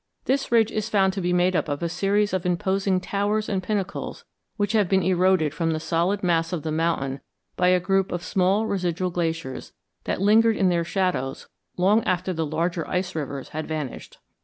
This ridge is found to be made up of a series of imposing towers and pinnacles which have been eroded from the solid mass of the mountain by a group of small residual glaciers that lingered in their shadows long after the larger ice rivers had vanished.